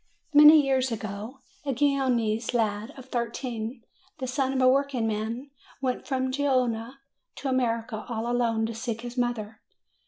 Many years ago a Genoese lad of thirteen, the son of a workingman, went from Genoa to America all alone to seek his mother.